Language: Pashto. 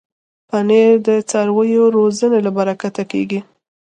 پنېر د څارویو روزنې له برکته کېږي.